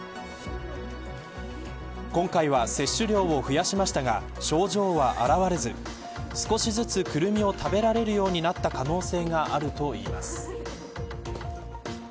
今回は摂取量を増やしましたが症状は現れず少しずつクルミを食べられるようになった可能性があるといいます。